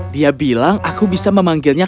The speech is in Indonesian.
dia bilang aku bisa memanggilnya